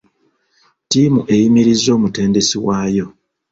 Ttiimu eyimirizza omutendesi waayo.